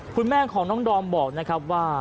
คุณแม่ของน้องดอมบอกนะครับว่า